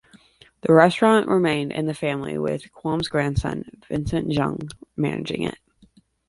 The restaurant remained in the family with Quom's grandson, Vince Jung, managing it.